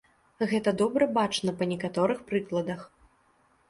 Гэта добра бачна па некаторых прыкладах.